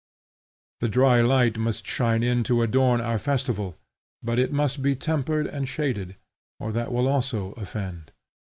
The dry light must shine in to adorn our festival, but it must be tempered and shaded, or that will also offend.